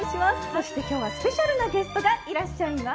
そして今日はスペシャルなゲストがいらっしゃいます。